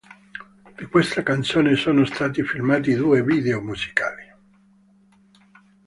Di questa canzone sono stati filmati due video musicali.